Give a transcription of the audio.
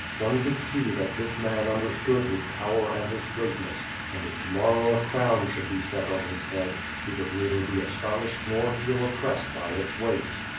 One could see that this man under stood his power and his greatness and if to morrow a crown should be set on his head, he would neither be astonished nor feel oppressed by its weight.